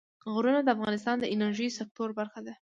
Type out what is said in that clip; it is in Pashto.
غرونه د افغانستان د انرژۍ سکتور برخه ده.